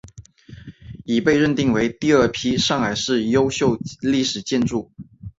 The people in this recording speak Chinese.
已被定为第二批上海市优秀历史建筑。